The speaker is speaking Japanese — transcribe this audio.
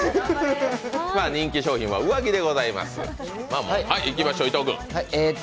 人気商品は上着でございます。